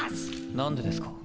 何でですか。